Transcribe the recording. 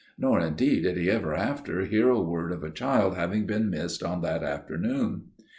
Nor indeed did he ever after hear a word of a child having been missed on that afternoon.